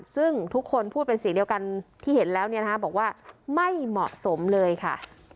ซึ่งทุกคนพูดเป็นเสียงเดียวกันที่เห็นแล้วบอกว่าไม่เหมาะสมเลยค่ะ